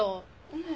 ねえ？